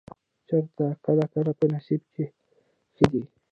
چرته کله کله په نصيب چې ښادي